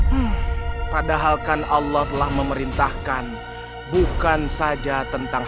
hmm padahalkan allah telah memerintahkan bukan saja tentang